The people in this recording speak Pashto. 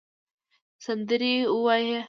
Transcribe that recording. سندرې ووایې